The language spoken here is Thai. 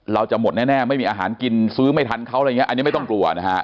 เราจะหมดแน่ไม่มีอาหารกินซื้อไม่ทันเขาอะไรอย่างนี้อันนี้ไม่ต้องกลัวนะฮะ